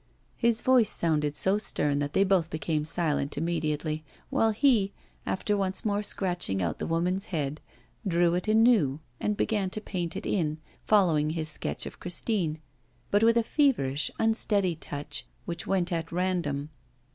His voice sounded so stern that they both became silent immediately, while he, after once more scratching out the woman's head, drew it anew and began to paint it in, following his sketch of Christine, but with a feverish, unsteady touch which went at random.